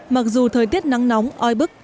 mặc dù thời tiết nắng nóng oi bức